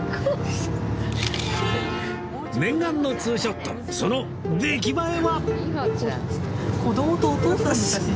念願のツーショットその出来栄えは？